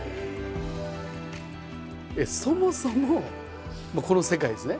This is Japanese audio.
そもそもこの世界ですね